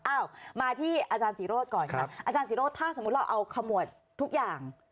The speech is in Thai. เอามาที่อาจารย์ศรีโรธก่อนครับอาจารย์ศิโรธถ้าสมมุติเราเอาขมวดทุกอย่าง